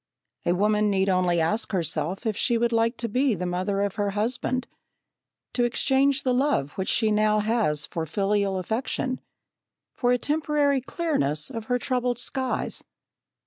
A woman need only ask herself if she would like to be the mother of her husband to exchange the love which she now has for filial affection for a temporary clearness of her troubled skies.